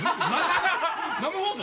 生放送？